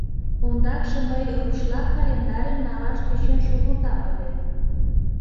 Ондакше мый рушла календарьым налаш тӧчен шогылтам ыле.